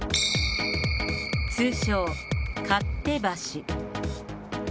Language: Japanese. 通称、勝手橋。